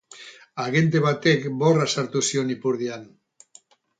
Agente batek borra sartu zion ipurdian.